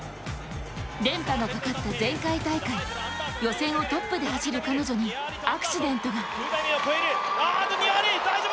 連覇のかかった前回大会、予選をトップで走る彼女にアクシデントが。